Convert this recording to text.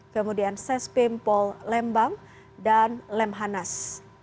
kemudian sesbim paul lembang dan lemhanas